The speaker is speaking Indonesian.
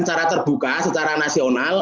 secara terbuka secara nasional